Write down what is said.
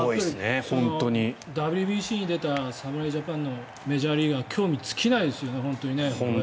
ＷＢＣに出た侍ジャパンのメジャーリーガーは本当ですね。